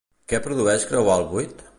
Què produeix creuar el Buit?